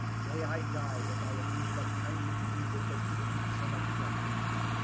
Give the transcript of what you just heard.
May I die if I abuse that kindly weed which has given me so much pleasure."